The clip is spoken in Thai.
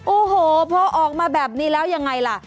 โอ้โหพอออกมาแบบนี้แล้วยังไงล่ะ